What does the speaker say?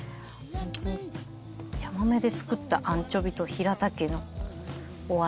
ヤマメで作ったアンチョビとヒラタケのお味